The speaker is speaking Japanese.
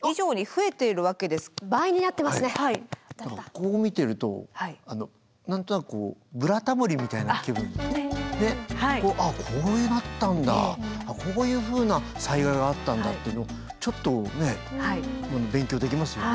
こう見てると何となくあっこうなったんだこういうふうな災害があったんだっていうのをちょっとねえ勉強できますよね。